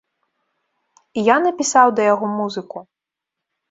І я напісаў да яго музыку.